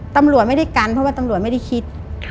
ตำรวจไม่ได้กันเพราะว่าตำรวจไม่ได้คิด